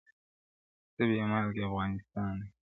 څه بې مالکه افغانستان دی -